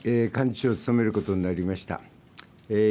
引き続き幹事長を務めることになりました。